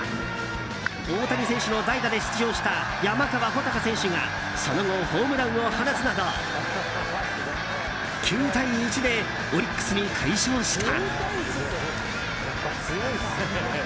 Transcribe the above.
大谷選手の代打で出場した山川穂高選手がその後、ホームランを放つなど９対１でオリックスに快勝した。